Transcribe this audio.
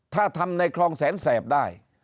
ถ้าทำในคลองแสนแสบได้